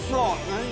何？